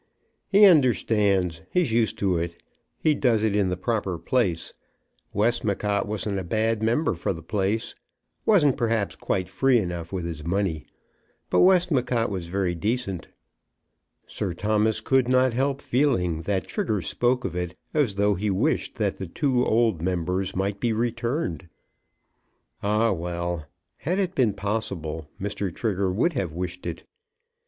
"He understands. He's used to it. He does it in the proper place. Westmacott wasn't a bad member for the place; wasn't perhaps quite free enough with his money, but Westmacott was very decent." Sir Thomas could not help feeling that Trigger spoke of it as though he wished that the two old members might be returned. Ah, well! had it been possible, Mr. Trigger would have wished it.